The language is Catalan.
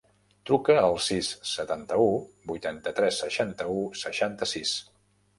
Truca al sis, setanta-u, vuitanta-tres, seixanta-u, seixanta-sis.